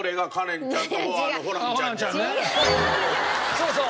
そうそう。